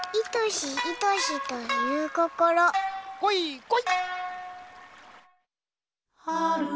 こいこい！